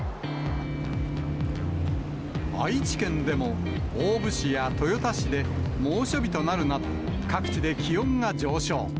愛知県でも大府市や豊田市で猛暑日となるなど、各地で気温が上昇。